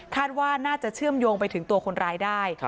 ว่าน่าจะเชื่อมโยงไปถึงตัวคนร้ายได้